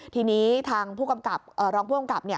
ทีนี้ทางผู้กำกับรองผู้กำกับ